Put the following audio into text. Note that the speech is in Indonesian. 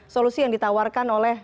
solusi yang ditawarkan oleh